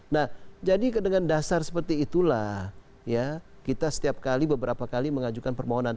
nah jadi dengan dasar seperti itulah ya kita setiap kali beberapa kali mengajukan permohonan